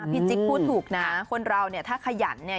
จิ๊กพูดถูกนะคนเราเนี่ยถ้าขยันเนี่ย